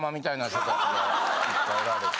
いっぱいおられて。